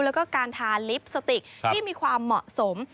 แล้วก็การทาลิปสติกที่มีความเหมาะสม